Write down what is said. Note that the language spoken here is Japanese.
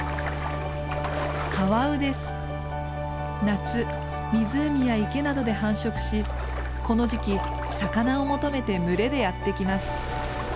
夏湖や池などで繁殖しこの時期魚を求めて群れでやって来ます。